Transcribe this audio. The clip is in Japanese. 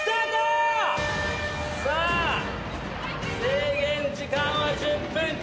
さあ制限時間は１０分間。